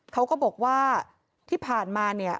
เขาก็บอกว่าที่ผ่านมาเนี่ย